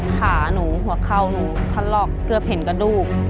ขาหนูหัวเข่าหนูทะลอกเกือบเห็นกระดูก